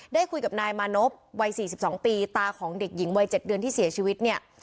ได้คุยกับนายมานบวัยสี่สิบสองปีตาของเด็กหญิงวัยเจ็ดเดือนที่เสียชีวิตเนี้ย